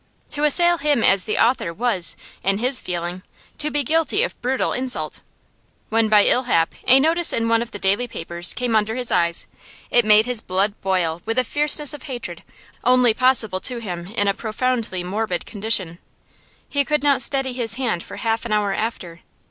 To assail him as the author was, in his feeling, to be guilty of brutal insult. When by ill hap a notice in one of the daily papers came under his eyes, it made his blood boil with a fierceness of hatred only possible to him in a profoundly morbid condition; he could not steady his hand for half an hour after.